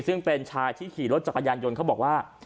ซึ่งเป็นชายที่ขี่รถจักรยานยนต์เขาบอกว่า